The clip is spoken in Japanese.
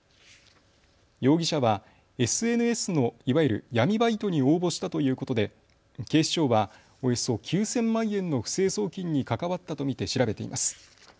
容疑者はＳＮＳのいわゆる闇バイトに応募したということで警視庁はおよそ９０００万円の不正送金に関わったと見て調べています。